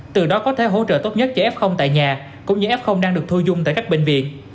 từ đó có thể hỗ trợ tốt nhất cho f tại nhà cũng như f đang được thu dung tại các bệnh viện